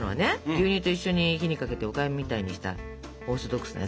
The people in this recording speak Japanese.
牛乳と一緒に火にかけておかゆみたいにしたオーソドックスなやつだったでしょ。